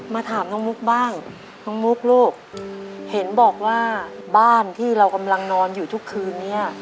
ถามน้องมุกบ้างน้องมุกลูกเห็นบอกว่าบ้านที่เรากำลังนอนอยู่ทุกคืนนี้